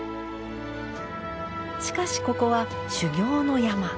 しかしここは修行の山。